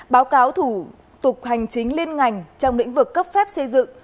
báo cáo thủ tục hành chính liên ngành trong lĩnh vực cấp phép xây dựng